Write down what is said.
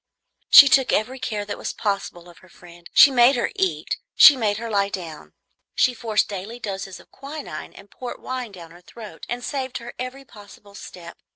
She took every care that was possible of her friend. She made her eat; she made her lie down. She forced daily doses of quinine and port wine down her throat, and saved her every possible step.